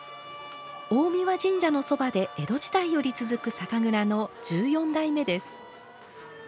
大神神社のそばで江戸時代より続く酒蔵の１４代目です。